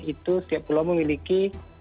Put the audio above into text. itu setiap pulau memiliki